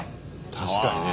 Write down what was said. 確かにね